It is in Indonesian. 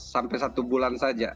sampai satu bulan saja